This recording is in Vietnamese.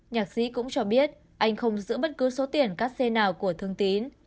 nhạc sĩ cũng cho biết anh không giữ bất cứ số tiền các xe nào của thương tín